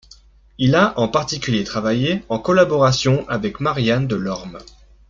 Il a en particulier travaillé en collaboration avec Marianne Delorme.